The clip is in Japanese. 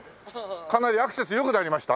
かなりアクセス良くなりました？